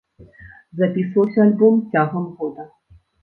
Запісваўся альбом цягам года.